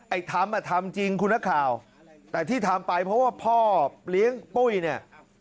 ทำอ่ะทำจริงคุณนักข่าวแต่ที่ทำไปเพราะว่าพ่อเลี้ยงปุ้ยเนี่ย